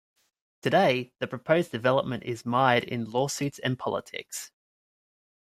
Today, the proposed development is mired in lawsuits and politics.